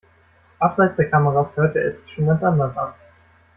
Abseits der Kameras hörte es sich schon ganz anders an.